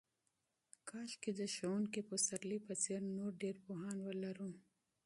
کاشکې د استاد پسرلي په څېر نور ډېر پوهان ولرو.